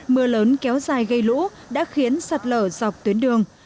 mưa lớn kéo dài gây lũ đã khiến sạt lở dọc tuyến đường